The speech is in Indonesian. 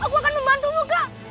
aku akan membantumu kak